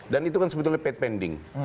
dan itu kan sebetulnya pending